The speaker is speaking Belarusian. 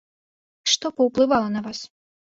Што паўплывала на вас?